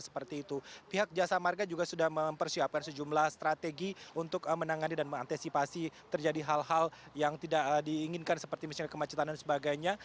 seperti itu pihak jasa marga juga sudah mempersiapkan sejumlah strategi untuk menangani dan mengantisipasi terjadi hal hal yang tidak diinginkan seperti misalnya kemacetan dan sebagainya